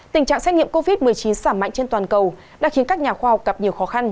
tình trạng xét nghiệm covid một mươi chín giảm mạnh trên toàn cầu đã khiến các nhà khoa học gặp nhiều khó khăn